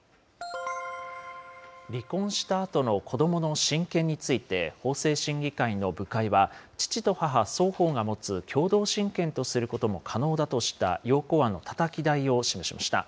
離婚したあとの子どもの親権について、法制審議会の部会は、父と母双方が持つ共同親権とすることも可能だとした要綱案のたたき台を示しました。